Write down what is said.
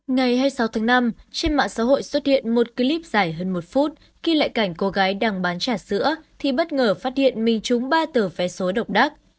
ngày hai mươi sáu tháng năm trên mạng xã hội xuất hiện một clip dài hơn một phút ghi lại cảnh cô gái đang bán trà sữa thì bất ngờ phát hiện mình trúng ba tờ vé số độc đắc